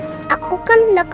masakan yang president